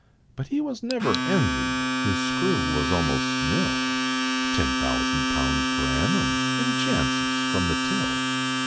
But he was never envied, his screw was almost nil Ten thousand pounds per annum, and chances from the till.